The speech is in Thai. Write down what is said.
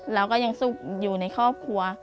แล้วก็ยังสุขอยู่ในครอบครัว